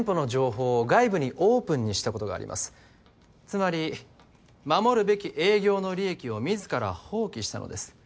つまり守るべき営業の利益を自ら放棄したのです